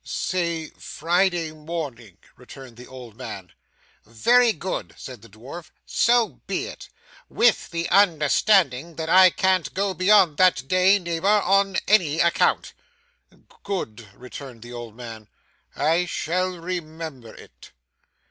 'Say Friday morning,' returned the old man. 'Very good,' said the dwarf. 'So be it with the understanding that I can't go beyond that day, neighbour, on any account.' 'Good,' returned the old man. 'I shall remember it.